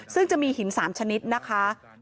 ซึ่งจะมีหิน๓ชนิดนะคะ